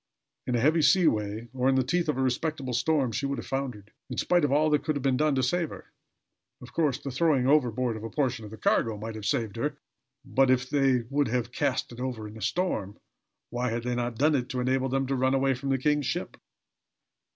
In a heavy seaway, or in the teeth of a respectable storm, she would have foundered, in spite of all that could have been done to save her. Of course, the throwing overboard of a portion of the cargo might have saved her; but, if they would have cast it over in a storm, why had they not done it to enable them to run way from the king's ship?